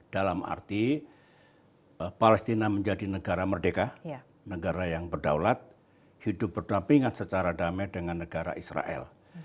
dalam arti palestina menjadi negara merdeka negara yang berdaulat hidup berdampingan secara damai dengan negara israel